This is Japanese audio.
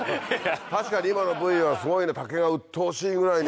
確かに今のＶＴＲはすごいね竹がうっとうしいぐらいに。